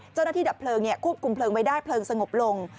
เจ้าหน้าที่ดับเพลิงคุบกลุ่มเพลิงไว้ได้เพลิงสงบลง